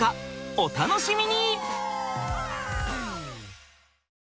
お楽しみに！